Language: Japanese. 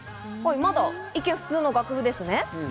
まだ一見、普通の楽譜ですね。